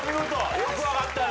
よく分かったね。